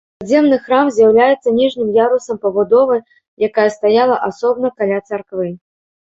Падземны храм з'яўляецца ніжнім ярусам пабудовы, якая стаяла асобна каля царквы.